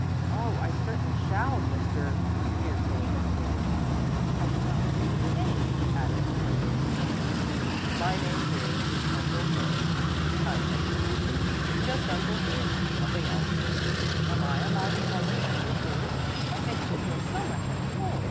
"Oh, I certainly shall, Mr. ," here Salo hesitated, "I do not remember the name," he added, quite concerned. "My name here is Uncle Philip," the kind gentleman answered, "just Uncle Philip, nothing else!" "Am I allowed to call you Uncle, too? That makes me feel so much at home!"